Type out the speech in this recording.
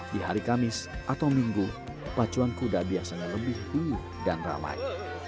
di hari kamis atau minggu pacuan kuda biasanya lebih tinggi dan ramai